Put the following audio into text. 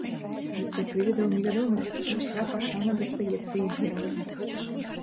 Жыццё прывідаў невядомае, уся пашана дастаецца іх героям.